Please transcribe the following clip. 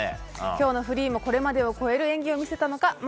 今日のフリーもこれまでを超える演技を見せたのか。